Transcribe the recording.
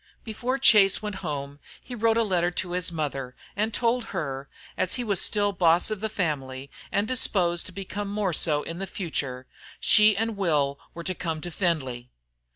Before Chase went home he wrote a letter to his mother, and told her, as he was still boss of the family, and disposed to become more so in the future, she and Will were to come to Findlay.